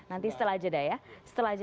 nanti setelah jeda ya